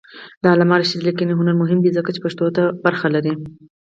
د علامه رشاد لیکنی هنر مهم دی ځکه چې پښتو ته ونډه لري.